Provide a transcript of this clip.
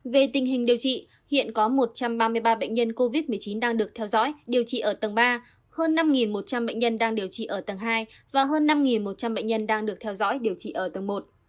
về tình hình điều trị hiện có một trăm ba mươi ba bệnh nhân covid một mươi chín đang được theo dõi điều trị ở tầng ba hơn năm một trăm linh bệnh nhân đang điều trị ở tầng hai và hơn năm một trăm linh bệnh nhân đang được theo dõi điều trị ở tầng một